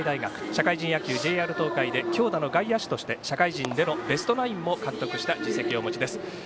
社会人野球、ＪＲ東海で強打の外野手として社会人でのベストナインも獲得した実績をお持ちです。